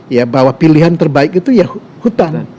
ya bahwa pilihan terbaik itu ya hutan